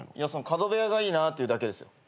角部屋がいいなっていうだけですよ。